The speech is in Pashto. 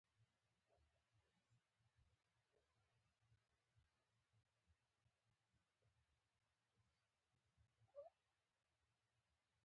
د بدن اوبه یې ووتلې.